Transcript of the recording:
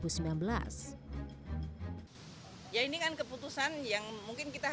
sebelumnya kenaikan iuran bpjs kesehatan diberlakukan pemerintah